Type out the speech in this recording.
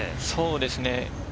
そうですね。